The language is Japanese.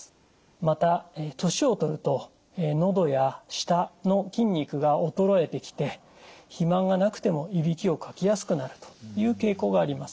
また年を取るとのどや舌の筋肉が衰えてきて肥満がなくてもいびきをかきやすくなるという傾向があります。